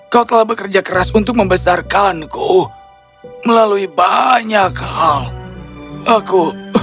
kau telah bekerja keras untuk membesarkanku melalui banyak hal aku